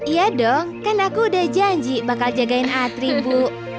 iya dong kan aku udah janji bakal jagain atri bu